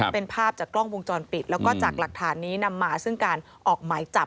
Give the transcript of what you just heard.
เป็นภาพจากกล้องวงจรปิดแล้วก็จากหลักฐานนี้นำมาซึ่งการออกหมายจับ